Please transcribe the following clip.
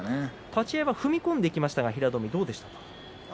立ち合い踏み込んでいきましたが平戸海、どうでしょうか。